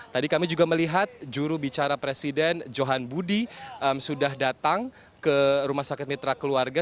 tadi kami juga melihat jurubicara presiden johan budi sudah datang ke rumah sakit mitra keluarga